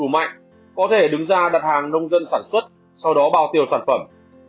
mạnh có thể đứng ra đặt hàng nông dân sản xuất sau đó bao tiêu sản phẩm